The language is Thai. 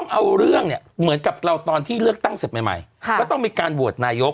เอาเรื่องเนี่ยเหมือนกับเราตอนที่เลือกตั้งเสร็จใหม่ก็ต้องมีการโหวตนายก